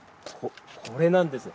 これなんです。